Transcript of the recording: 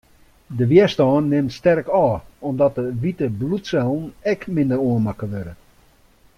De wjerstân nimt sterk ôf, omdat de wite bloedsellen ek minder oanmakke wurde.